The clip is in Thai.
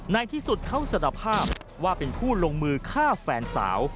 ในที่สุดเขาสารภาพว่าเป็นผู้ลงมือฆ่าแฟนสาว